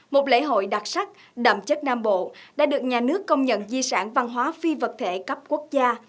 một lễ hội đặc sắc đậm chất nam bộ đã được nhà nước công nhận di sản văn hóa phi vật thể cấp quốc gia